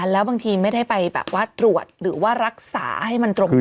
แล้วบางทีไม่ได้ไปแบบว่าตรวจหรือว่ารักษาให้มันตรงกัน